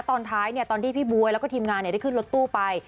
ตอนท้ายตอนที่พี่บ๊วยแล้วก็ทีมงานได้ขึ้นรถตู้ไป